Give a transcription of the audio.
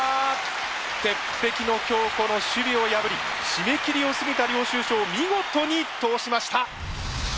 鉄壁の強子の守備を破りしめ切りを過ぎた領収書を見事に通しました！